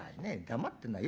黙ってなよ